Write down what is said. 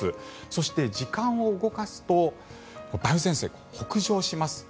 そして、時間を動かすと梅雨前線、北上します。